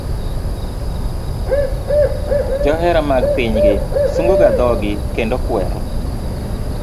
Johera mag pinygi sungo ga dhogi kendo kwero